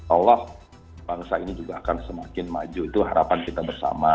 allah bangsa ini juga akan semakin maju itu harapan kita bersama